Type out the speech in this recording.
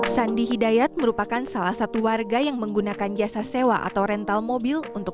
sandi hidayat merupakan salah satu warga yang menggunakan jasa sewa atau rental mobil untuk